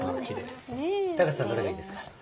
タカシさんどれがいいですか？